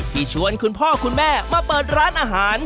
ชวนคุณพ่อคุณแม่มาเปิดร้านอาหาร